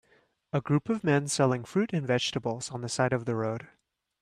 A group of men selling fruit and vegetables on the side of the road.